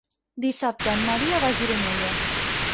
Dissabte en Maria va a Gironella.